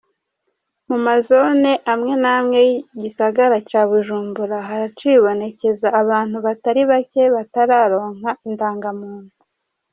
Mu mazone amwamwe y'igisagara ca Bujumbura, haracibonekeza abantu batari bake batararonka indangamuntu.